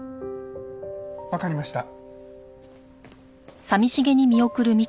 わかりました。